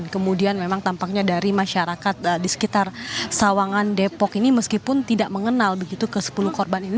kemudian memang tampaknya dari masyarakat di sekitar sawangan depok ini meskipun tidak mengenal begitu ke sepuluh korban ini